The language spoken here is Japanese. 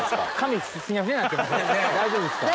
大丈夫ですか？